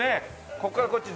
ここからこっちぞっ